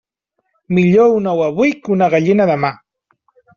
Millor un ou avui que una gallina demà.